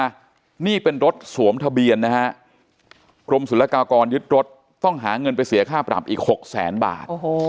นี่เป็นรถสวมทะเบียนนะฮะกรมศุลกากรยึดรถต้องหาเงินไปเสียค่าปรับอีกหกแสนบาท